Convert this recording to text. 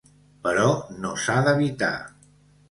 Però no s’ha d’evitar.